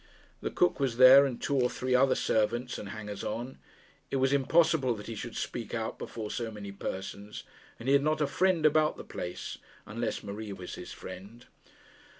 The cook was there, and two or three other servants and hangers on. It was impossible that he should speak out before so many persons, and he had not a friend about the place, unless Marie was his friend.